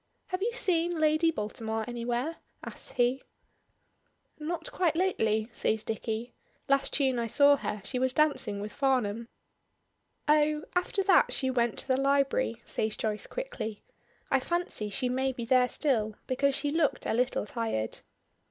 "Have you seen Lady Baltimore anywhere?" asks he. "Not quite lately," says Dicky; "last tune I saw her she was dancing with Farnham." "Oh after that she went to the library," says Joyce quickly. "I fancy she may be there still, because she looked a little tired."